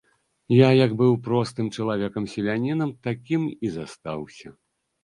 Я, як быў простым чалавекам-селянінам, такім і застаўся.